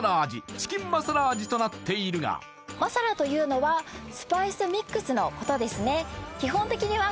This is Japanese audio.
チキンマサラ味となっているがマサラというのはスパイスミックスのことですね